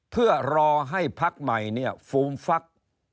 เพื่อรอให้พักใหม่เนี่ยฟูมฟัก